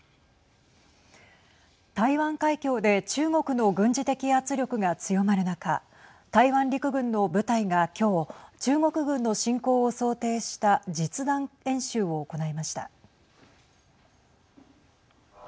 台湾海峡で中国の軍事的圧力が強まる中台湾陸軍の部隊が今日中国軍の侵攻を想定した実弾演習を行いました。